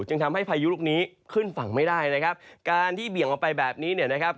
จึงทำให้พายุลูกนี้ขึ้นฝั่งไม่ได้นะครับการที่เบี่ยงออกไปแบบนี้เนี่ยนะครับ